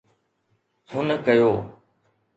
هن ڪيو.